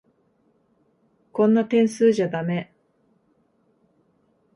こんな点数じゃだめ。